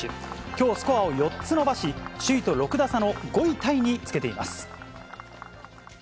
きょうスコアを４つ伸ばし、首位と６打差の５位タイにつけています。